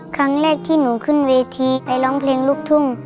ครั้งแรกที่หนูขึ้นเวทีไปร้องเพลงลูกทุ่ง